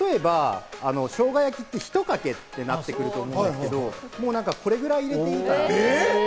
例えば、しょうが焼きって、ひとかけってなってくると思うんですけど、もう、これぐらい入れていただいて。